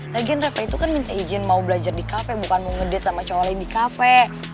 lagian reva itu kan minta izin mau belajar di kafe bukan mau ngedate sama cowok lain di kafe